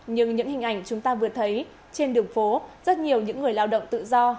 nhưng những hình ảnh chúng ta vừa thấy trên đường phố rất nhiều những người lao động tự do